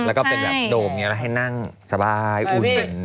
แล้วก็เป็นแบบโดมเนี่ยให้นั่งสบายอุ่น